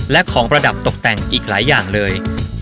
และของประดับตกแต่งอีกหลายอย่างเลย